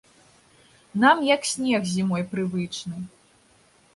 Нам як снег зімой прывычны.